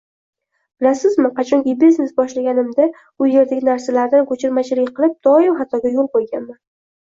Bilasizmi, qachonki biznes boshlaganimda, u yerdagi narsalardan koʻchirmachilik qilib doim xatoga yoʻl qoʻyganman.